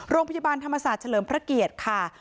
โรงพยาบาลธรรมศาสตร์เฉลิมพระเกียรติค่ะ